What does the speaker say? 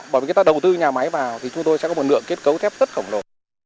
bởi vì người ta đầu tư nhà máy vào thì chúng tôi sẽ có một lượng kết cấu thép rất khổng lồ